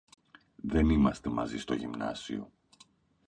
Δεν είμαστε μαζί στο Γυμνάσιο.